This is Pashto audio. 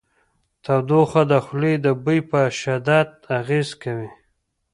تودوخه د خولې د بوی په شدت اغېز کوي.